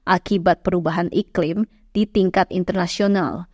akibat perubahan iklim di tingkat internasional